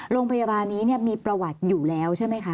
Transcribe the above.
โรงพยาบาลนี้มีประวัติอยู่แล้วใช่ไหมคะ